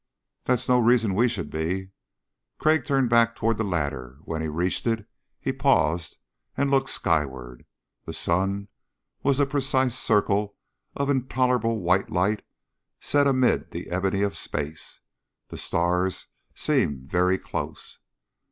"That's no reason we should be." Crag turned back toward the ladder. When he reached it, he paused and looked skyward. The sun was a precise circle of intolerable white light set amid the ebony of space. The stars seemed very close.